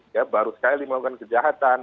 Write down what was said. ya baru sekali melakukan kejahatan